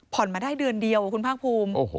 ผ่อนมาได้เดือนเดียวครับคุณภาครังพูม